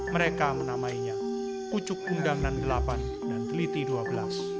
mereka menamainya pucuk undangan delapan dan teliti dua belas